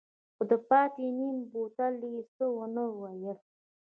خو د پاتې نيم بوتل يې څه ونه ويل.